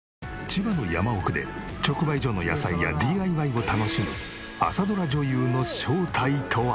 千葉の山奥で直売所の野菜やＤＩＹを楽しむ朝ドラ女優の正体とは？